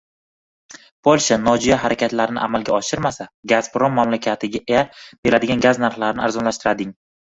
Polsha nojo‘ya harakatlarni amalga oshirmasa, \Gazprom\" mamlakatga beriladigan gaz narxini arzonlashtirading"